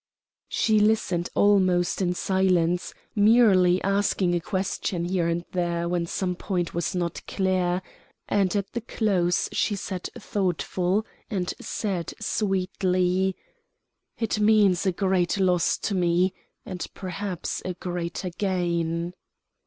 She listened almost in silence, merely asking a question here and there when some point was not clear, and at the close she sat thoughtful, and said sweetly: "It means a great loss to me and yet perhaps a greater gain."